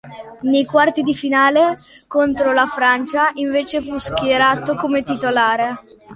Nei quarti di finale contro la Francia, invece, fu schierato come titolare.